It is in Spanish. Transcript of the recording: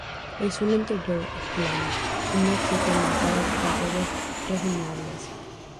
El suelo interior es plano y no existen marcas de cráteres reseñables.